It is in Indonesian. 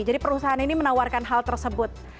jadi perusahaan ini menawarkan hal tersebut